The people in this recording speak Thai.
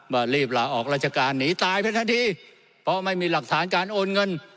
ว่ารีบลาออกราชการหนีตายไปทันทีเพราะไม่มีหลักฐานการโอนเงิน